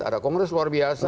ada kongres luar biasa